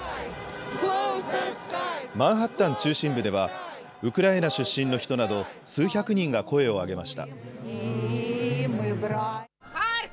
マンハッタン中心部ではウクライナ出身の人など数百人が声を上げました。